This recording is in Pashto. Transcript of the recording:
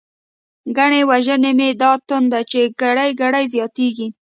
ګنی وژنی می دا تنده، چی ګړۍ ګړۍ زياتيږی